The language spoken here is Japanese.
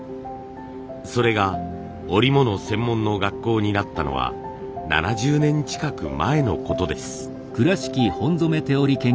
それが織物専門の学校になったのは７０年近く前のことです。